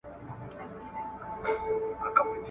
¬ يو له لوږي مړ کېدی، بل ئې سر ته پراټې لټولې.